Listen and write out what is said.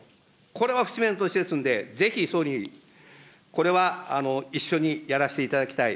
これは節目の年ですので、ぜひ総理、これは一緒にやらせていただきたい。